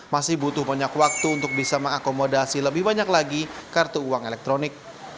masih butuh banyak waktu untuk bisa mengakomodasi lebih banyak lagi kartu uang elektronik